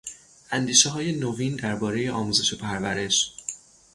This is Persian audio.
اندیشههای نوین دربارهی آموزش و پرورش